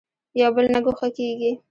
یو بل نه ګوښه کېږي.